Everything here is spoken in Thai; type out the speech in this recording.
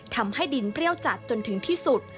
ทำให้ดินเปรี้ยวจัดจนถึงที่สุด